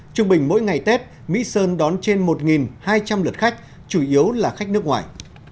trung bình mỗi ngày tết mỹ sơn đón trên một hai trăm linh lượt khách chủ yếu là khách nước ngoài